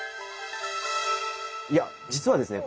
いや実はですね